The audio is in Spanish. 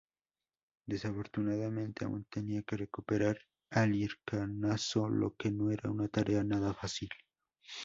Desafortunadamente, aún tenía que recuperar Halicarnaso, lo que no era una tarea nada fácil.